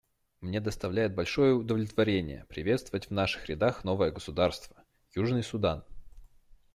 Мне доставляет большое удовлетворение приветствовать в наших рядах новое государство — Южный Судан.